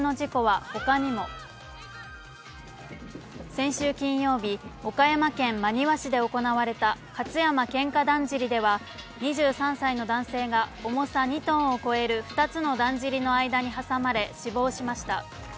先週金曜日、岡山県真庭市で行われた勝山喧嘩だんじりでは２３歳の男性が重さ２ｔを超える２つのだんじりの間に挟まれ、死亡しました。